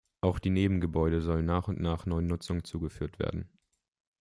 Auch die Nebengebäude sollen nach und nach neuen Nutzungen zugeführt werden.